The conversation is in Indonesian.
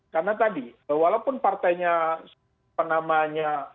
karena tadi walaupun partainya penamanya